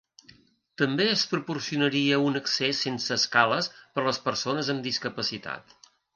També es proporcionaria un accés sense escales per a les persones amb discapacitat.